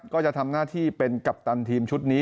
ก็จะทำหน้าที่เป็นกัปตันทีมชุดนี้